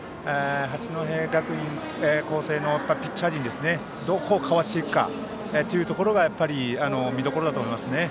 八戸学院光星のピッチャー陣がどうかわしていくかが見どころだと思いますね。